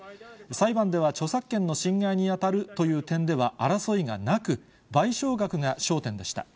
裁判では、著作権の侵害に当たるという点では、争いがなく、賠償額が焦点でした。